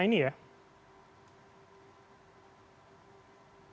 jadi kalau ada semacam pemufakatan jahat